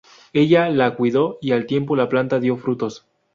Ella la cuidó y al tiempo la planta dio frutos.